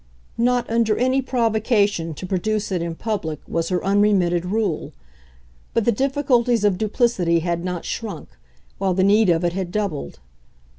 Not under any provocation to produce it in public was her unremitted rule; but the difficulties of duplicity had not shrunk, while the need of it had doubled.